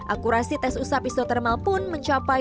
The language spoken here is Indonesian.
akurasi tes usap isotermal pun mencapai sembilan lima